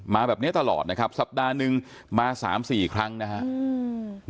มาแบบเนี้ยตลอดนะครับสัปดาห์หนึ่งมาสามสี่ครั้งนะครับ